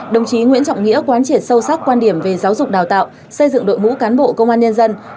đồng chí nguyễn trọng nghĩa quán triệt sâu sắc quan điểm về giáo dục đào tạo xây dựng đội ngũ cán bộ công an nhân dân